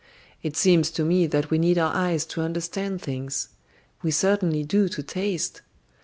It seems to me that we need our eyes to understand things. We certainly do to taste.